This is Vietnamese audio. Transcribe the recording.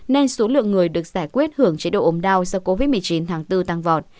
nên số lượng người được giải quyết hưởng chế độ ốm đau do covid một mươi chín tháng bốn tăng vọt